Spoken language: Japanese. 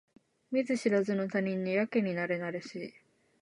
見ず知らずの他人にやけになれなれしい